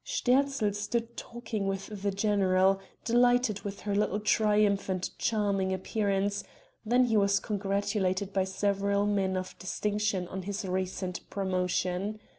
Sterzl stood talking with the general, delighted with her little triumph and charming appearance; then he was congratulated by several men of distinction on his recent promotion.